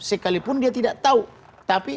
sekalipun dia tidak tahu tapi